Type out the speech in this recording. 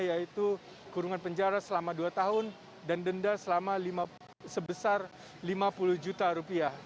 yaitu kurungan penjara selama dua tahun dan denda sebesar lima puluh juta rupiah